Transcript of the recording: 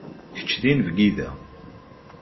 Kečč d inebgi da.